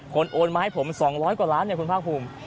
โอนมาให้ผม๒๐๐กว่าล้านเนี่ยคุณภาคภูมิ